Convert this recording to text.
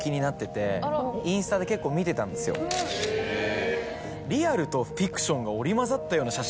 へぇ。